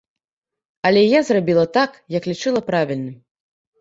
Але я зрабіла так, як лічыла правільным.